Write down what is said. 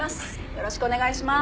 よろしくお願いします。